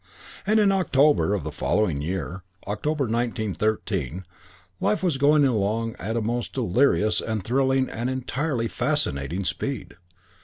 And in October of the following year, October, 1913, life was going along at a most delirious and thrilling and entirely fascinating speed.